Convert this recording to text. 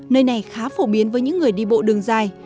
nơi này khá phổ biến với những người đi bộ đường dài